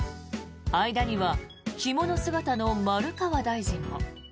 間には着物姿の丸川大臣も。